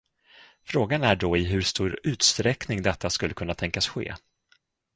Frågan är då i hur stor utsträckning detta skulle kunna tänkas ske.